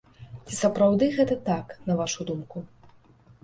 Ці сапраўды гэта так, на вашу думку?